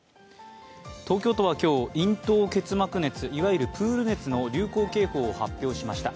東京都は今日、咽頭結膜熱、いわゆるプール熱の流行警報を発表しました。